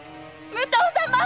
武藤様。